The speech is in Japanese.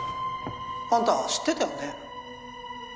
あんた知ってたよね